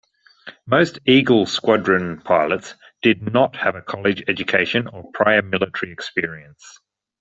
Most Eagle Squadron pilots did not have a college education or prior military experience.